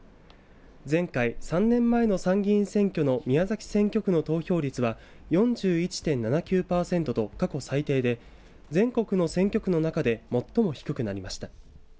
前回、３年前の参議院選挙の宮崎選挙区の投票率は４１．７９パーセントと過去最低で全国の選挙区の中で最も低くなりました。